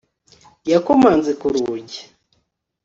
Yakomanze ku rugi